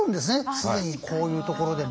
既にこういうところでも。